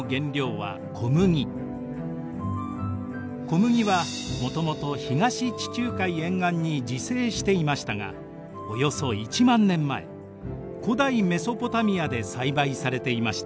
小麦はもともと東地中海沿岸に自生していましたがおよそ１万年前古代メソポタミアで栽培されていました。